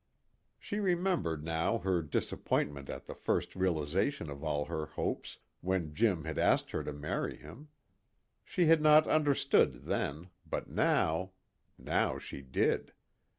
She remembered now her disappointment at the first realization of all her hopes, when Jim had asked her to marry him. She had not understood then, but now now she did.